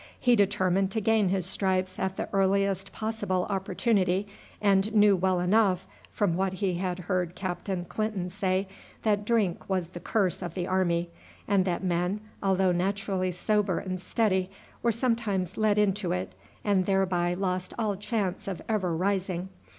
He determined to gain his stripes at the earliest possible opportunity, and knew well enough, from what he had heard Captain Clinton say, that drink was the curse of the army, and that men, although naturally sober and steady, were sometimes led into it, and thereby lost all chance of ever rising.